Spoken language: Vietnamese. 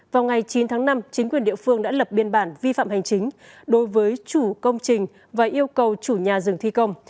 vào ngày chín tháng năm chính quyền địa phương đã lập biên bản vi phạm hành chính đối với chủ công trình và yêu cầu chủ nhà dừng thi công